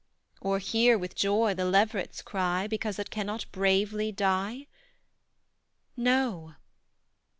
Or, hear with joy the leveret's cry, Because it cannot bravely die? No!